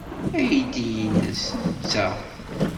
Aydi-nni nnes netta.